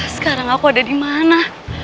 sekarang aku ada dimana